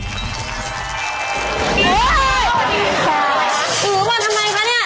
ถือว่าทำไมกันเนี่ย